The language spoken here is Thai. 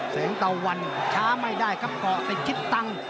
แสงตะวันช้าไม่ได้ครับเกาะติดคิดตังค์